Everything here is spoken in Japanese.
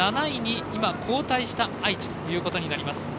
７位に後退した愛知ということになります。